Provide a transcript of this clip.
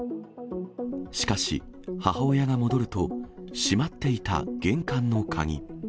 しかし、母親が戻ると、閉まっていた玄関の鍵。